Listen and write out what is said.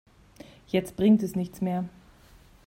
Jetzt bringt es nichts mehr.